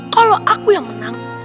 kalau aku yang menang